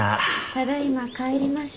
ただいま帰りました。